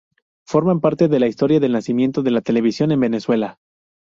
Forma parte de la historia del nacimiento de la televisión en Venezuela.